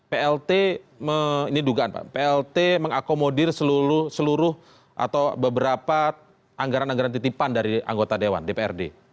plt ini dugaan pak plt mengakomodir seluruh atau beberapa anggaran anggaran titipan dari anggota dewan dprd